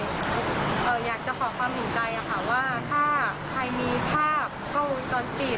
อยากจะบอกความถึงใจค่ะว่าถ้าใครมีภาพกล้องจนติด